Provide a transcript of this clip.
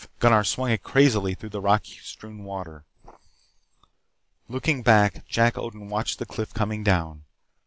Gunnar swung it crazily through the rock strewn water. Looking back, Jack Odin watched the cliff coming down.